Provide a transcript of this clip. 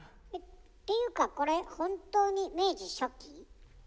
ていうかこれ本当に明治初期？